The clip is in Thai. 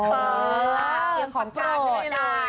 ผมจะเปลี่ยนขอบคุณภาพให้เลย